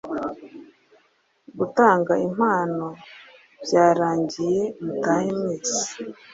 Gutanga impano byarangiye mutahe mwese